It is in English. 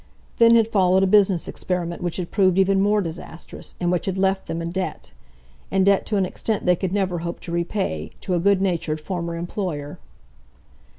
Then had followed a business experiment which had proved even more disastrous, and which had left them in debt—in debt to an extent they could never hope to repay, to a good natured former employer.